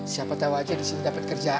siapa tahu aja disini dapat kerjaan